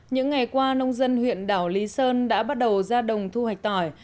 những ngày qua nông dân huyện đảo lý sơn đã bắt đầu ra đồng thu hoạch tỏi